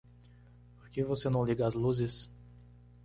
Por que você não liga as luzes?